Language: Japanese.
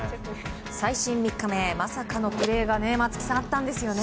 最終３日目まさかのプレーが松木さん、あったんですよね。